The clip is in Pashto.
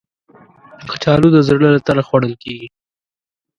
کچالو د زړه له تله خوړل کېږي